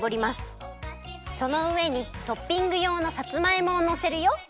そのうえにトッピングようのさつまいもをのせるよ。